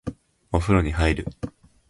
お風呂に入る